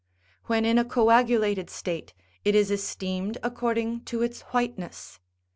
When in a coagulated state, it is esteemed according to its whiteness.